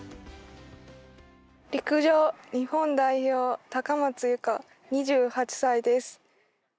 陸上日本代表高松佑圭、２８歳です。